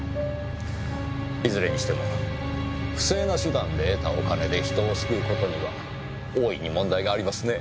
いずれにしても不正な手段で得たお金で人を救う事には大いに問題がありますね。